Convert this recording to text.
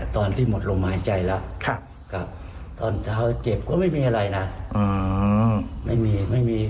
ตอนที่หมดลมหายใจแล้วครับครับตอนเจ็บก็ไม่มีอะไรนะไม่มี